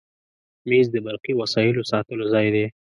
مېز د برقي وسایلو ساتلو ځای دی.